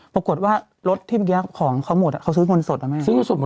ปรากฏว่ารถที่เมื่อกี้ของเขาหมดเขาซื้อเงินสดหรือไม่